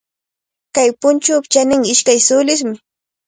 Kay punchupa chaninqa ishkay sulismi.